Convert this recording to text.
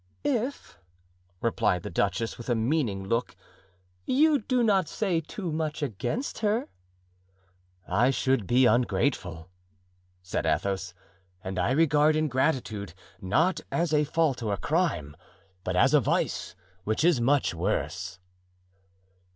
"If," replied the duchess, with a meaning look, "you do not say too much against her." "I should be ungrateful," said Athos, "and I regard ingratitude, not as a fault or a crime, but as a vice, which is much worse."